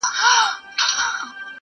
هغه بل موږك را ودانگل ميدان ته٫